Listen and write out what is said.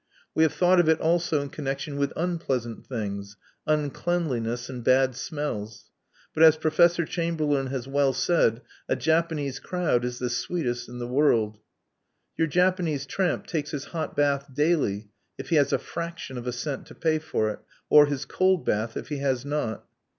We have thought of it also in connection with unpleasant things, uncleanliness and bad smells. But, as Professor Chamberlain has well said, "a Japanese crowd is the sweetest in the world" Your Japanese tramp takes his hot bath daily, if he has a fraction of a cent to pay for it, or his cold bath, if he has not.